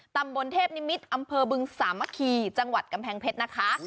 ตำบลเทพนิมิตรอำเภอบึงสามัคคีจังหวัดกำแพงเพชรนะคะ